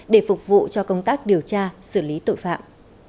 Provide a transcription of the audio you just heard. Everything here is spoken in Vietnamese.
để phục vụ cho công tác điều tra xử lý tội phạm